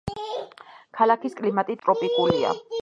ქალაქის კლიმატი ტროპიკულია.